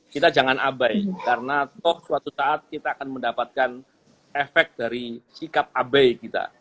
kita jangan abai karena toh suatu saat kita akan mendapatkan efek dari sikap abai kita